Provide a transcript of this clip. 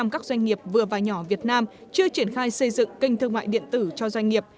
các doanh nghiệp vừa và nhỏ việt nam chưa triển khai xây dựng kênh thương mại điện tử cho doanh nghiệp